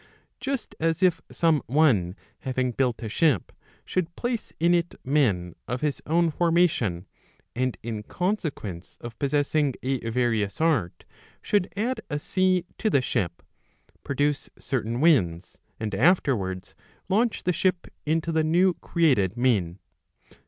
Just as if some one having built a ship, should pilace in it men of his own formation, and, in consequence of possessing a various art, should add a sea to the ship, produce certain winds, and afterwards launch the ship into the new created main.